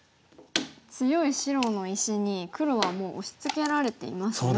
強い白の石に黒はもう押しつけられていますね。